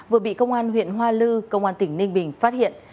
vừa bị công an huyện hoa lư công an tỉnh ninh bình phát hiện